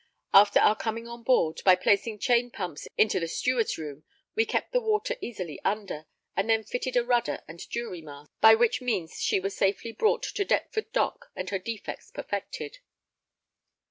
After our coming on board, by placing chain pumps into the steward's room, we kept the water easily under, and then fitted a rudder and jury masts, by which means she was safely brought to Deptford Dock and her defects perfected.